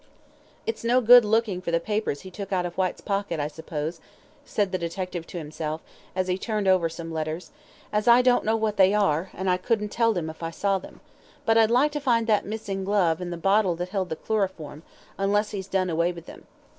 "It's no good looking for the papers he took out of Whyte's pocket, I suppose," said the detective to himself, as he turned over some letters, "as I don't know what they are, and I couldn't tell them if I saw them; but I'd like to find that missing glove and the bottle that held the chloroform unless he's done away with them.